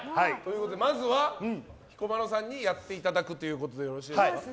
まずは彦摩呂さんにやっていただくということで？